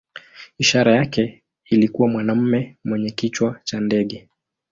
Ishara yake ilikuwa mwanamume mwenye kichwa cha ndege.